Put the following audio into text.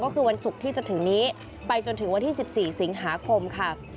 ก็คือวันศุกร์ที่จะถึงนี้ไปจนถึงวันที่๑๔สิงหาคมค่ะ